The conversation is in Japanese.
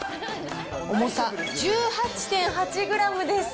重さ１８．８グラムです。